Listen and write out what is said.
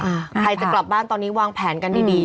ใครจะกลับบ้านตอนนี้วางแผนกันดีดี